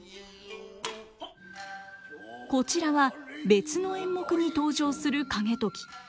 こちらは別の演目に登場する景時。